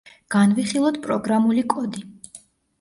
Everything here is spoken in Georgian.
განვიხილოთ პროგრამული კოდი.